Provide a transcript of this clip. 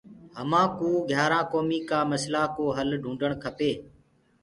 همآ ڪو گھيآرآ ڪومي ڪآ مسلآ ڪو هل ڍونڊڻ کپي۔